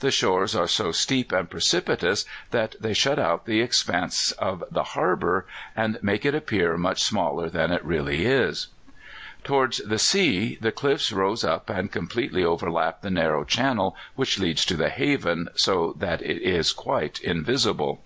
The shores are so steep and precipitous that they shut out the expanse of the harbour, and make it appear much smaller than it really is. "Towards the sea the cliffs close up and completely overlap the narrow channel which leads to the haven, so that it is quite invisible.